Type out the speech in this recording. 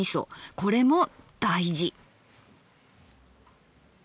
これも大事。